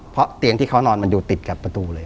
เพราะเตียงที่เขานอนมันอยู่ติดกับประตูเลย